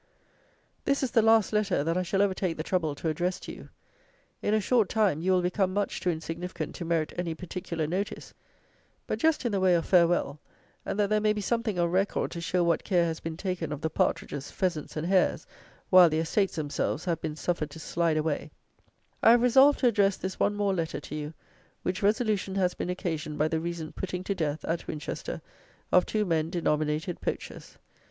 This is the last Letter that I shall ever take the trouble to address to you. In a short time, you will become much too insignificant to merit any particular notice; but just in the way of farewell, and that there may be something on record to show what care has been taken of the partridges, pheasants, and hares, while the estates themselves have been suffered to slide away, I have resolved to address this one more Letter to you, which resolution has been occasioned by the recent putting to death, at Winchester, of two men denominated Poachers.